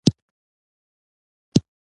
کتل د زړه او عقل اړیکه ده